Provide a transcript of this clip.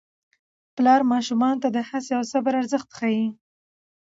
پلار ماشومانو ته د هڅې او صبر ارزښت ښيي